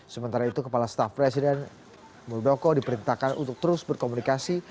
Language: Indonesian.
sementara itu kepala staf presiden muldoko diperintahkan untuk terus berkomunikasi